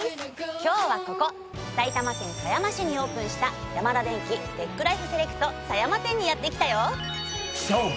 今日はここ埼玉県狭山市にオープンしたヤマダデンキＴｅｃｃＬＩＦＥＳＥＬＥＣＴ狭山店にやって来たよ。